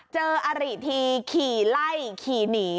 อาริทีขี่ไล่ขี่หนี